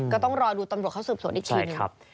ก็ต้องรอดูตำรวจเขาสืบโสดที่ชิน